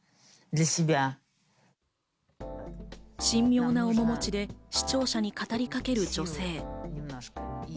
神妙な面持ちで視聴者に語りかける女性。